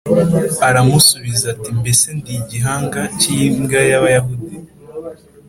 aramusubiza ati “Mbese ndi igihanga cy’imbwa y’Abayuda?